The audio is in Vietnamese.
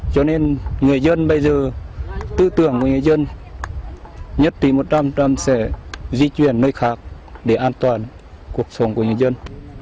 cho nên người dân bây giờ tư tưởng của người dân nhất trí một trăm linh sẽ di chuyển nơi khác để an toàn cuộc sống của nhân dân